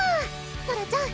ソラちゃん